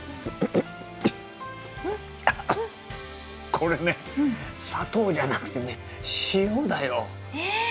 これね砂糖じゃなくてね塩だよ。え！